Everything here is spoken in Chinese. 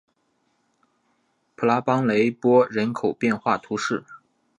普拉邦雷波人口变化图示